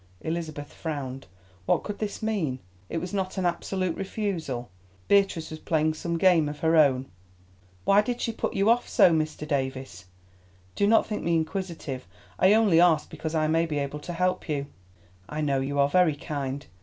Elizabeth frowned. What could this mean? It was not an absolute refusal. Beatrice was playing some game of her own. "Why did she put you off so, Mr. Davies? Do not think me inquisitive. I only ask because I may be able to help you." "I know; you are very kind.